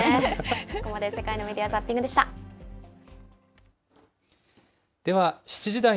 ここまで世界のメディア・ザッピングでした。